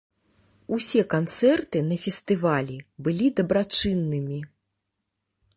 Усе канцэрты на фестывалі былі дабрачыннымі.